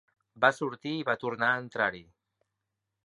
Va sortir i va tornar a entrar-hi;